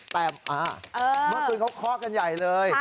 แต่เมื่อคืนเขาเคาะกันใหญ่เลย